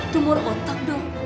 tumor otak dong